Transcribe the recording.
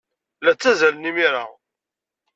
La ttazzalen imir-a.